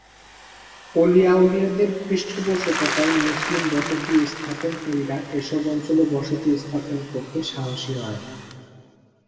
অলি-আউলিয়াদের পৃষ্ঠপোষকতায় মুসলিম বসতি স্থাপনকারীরা এসব অঞ্চলে বসতি স্থাপন করতে সাহসী হয়।